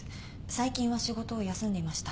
最近は仕事を休んでいました。